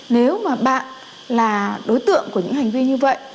nếu mà bạn là đối tượng của những hành vi như vậy